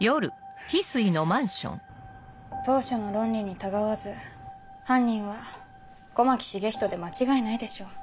当初の論理に違わず犯人は狛木繁人で間違いないでしょう。